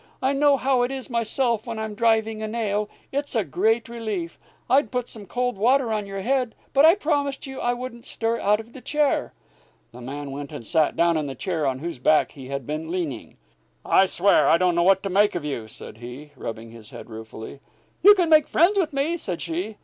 I know how it is myself when I'm driving a nail. It's a great relief. I'd put some cold water on your head, but I promised you I wouldn't stir out of the chair " The man went and sat down in the chair on whose back he had been leaning. "I swear, I don't know what to make of you," said he, rubbing his head ruefully. "You can make friends with me," said she.